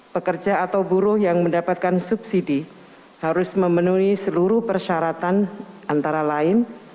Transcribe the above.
pekerja atau buruh yang mendapatkan subsidi harus memenuhi seluruh persyaratan antara lain